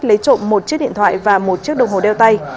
lấy trộm một chiếc điện thoại và một chiếc đồng hồ đeo tay